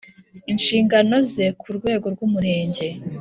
inshingano ze ku rwego rw Umurenge